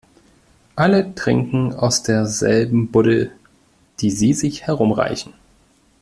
Alle trinken aus derselben Buddel, die sie sich herumreichen.